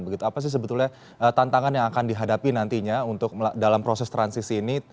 begitu apa sih sebetulnya tantangan yang akan dihadapi nantinya untuk dalam proses transisi ini